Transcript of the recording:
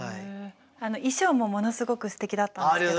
衣装もものすごくすてきだったんですけど。